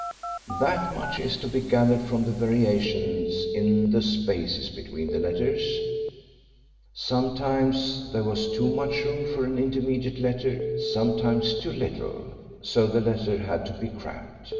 That much is to be gathered from the variations in the spaces between the letters sometimes there was too much room for an intermediate letter, sometimes too little, so the letter had to be cramped.